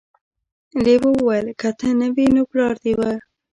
لیوه وویل که ته نه وې نو پلار دې و.